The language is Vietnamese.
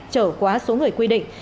trở quá số người quy định